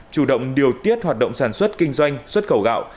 chủ động điều tiết hoạt động sản xuất kinh doanh xuất khẩu gạo